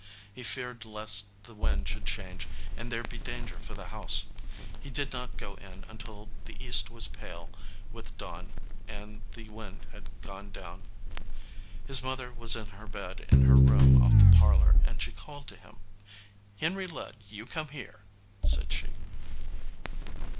He feared lest the wind should change and there be danger for the house. He did 245 EDGEWATER PEOPLE not go in until the east was pale with dawn and the wind had gone down. His mother was in her bed in her room off the parlor, and she called him. "Henry Ludd, you come here/ said she.